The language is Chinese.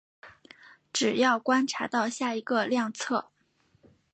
只要观察到下一个量测。